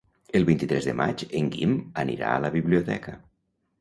El vint-i-tres de maig en Guim anirà a la biblioteca.